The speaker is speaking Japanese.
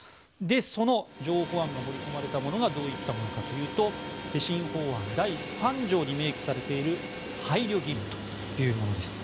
その譲歩案が盛り込まれたものがどういったものかというと新法案第３条に明記されている配慮義務というものです。